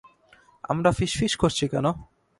আমরা ফিসফিস করছি কেন?